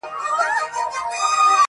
خو د ښکار یې په هیڅ وخت کي نسته ګټه،